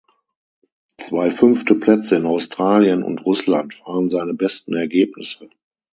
Zwei fünfte Plätze in Australien und Russland waren seine besten Ergebnisse.